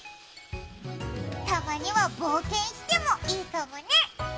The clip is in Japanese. たまには冒険してもいいかもね！